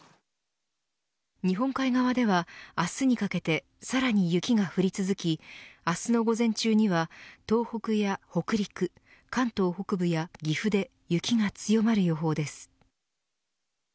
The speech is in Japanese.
日本海側では明日にかけてさらに雪が降り続き明日の午前中には東北や北陸関東北部や岐阜で雪が強まる予報です。